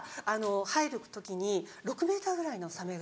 入る時に６ｍぐらいのサメが。